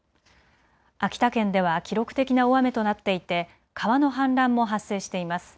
秋田県では記録的な大雨となっていて川の氾濫も発生しています。